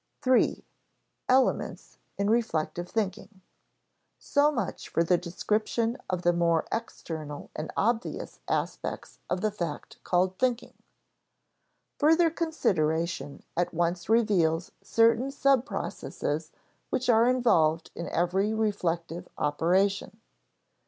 § 3. Elements in Reflective Thinking So much for the description of the more external and obvious aspects of the fact called thinking. Further consideration at once reveals certain subprocesses which are involved in every reflective operation.